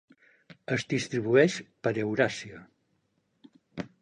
Es distribueix per Euràsia.